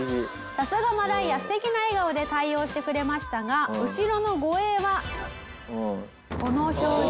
さすがマライア素敵な笑顔で対応してくれましたが後ろの護衛はこの表情。